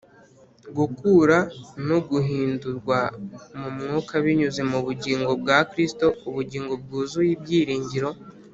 gukura, no guhindurwa mu Mwuka binyuze mu bugingo bwa KristoUbugingo Bwuzuye Ibyiringiro,